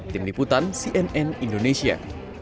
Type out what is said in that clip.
tim liputan cnn indonesia